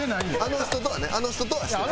あの人とはねあの人とはしてない。